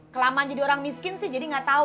kelamaan jadi orang miskin sih jadi gak tau